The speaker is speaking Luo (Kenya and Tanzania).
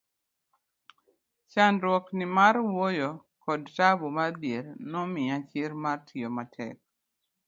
chandruok ni mar wuoyo kod tabu mar dhier nomiya chir mar tiyo matek